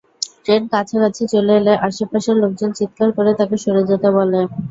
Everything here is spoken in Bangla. ট্রেন কাছাকাছি চলে এলে আশপাশের লোকজন চিৎকার করে তাঁকে সরে যেতে বলে।